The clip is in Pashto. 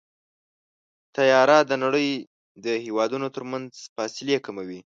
طیاره د نړۍ د هېوادونو ترمنځ فاصلې کموي.